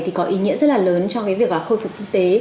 thì có ý nghĩa rất là lớn cho việc khôi phục kinh tế